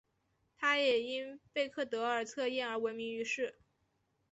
她也因贝克德尔测验而闻名于世。